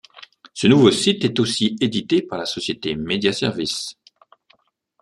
Ce nouveau site est aussi édité par la société Media services.